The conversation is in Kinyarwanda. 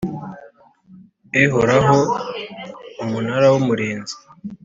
ihoraho Umunara w Umurinzi